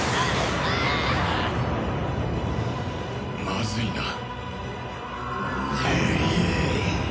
まずいな。